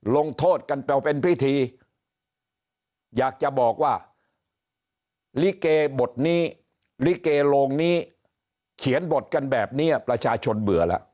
ลงโทษกันไปเป็นพิธีอยากจะบอกว่าลิเกบทนี้ลิเกโรงนี้เขียนบทกันแบบนี้ประชาชนเบื่อแล้ว